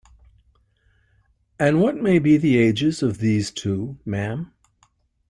And what may be the ages of these two, ma'am?